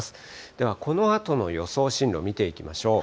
では、このあとの予想進路、見ていきましょう。